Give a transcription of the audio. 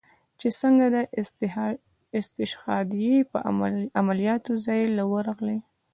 چې سنګه د استشهاديه عملياتو زاى له ورغلې.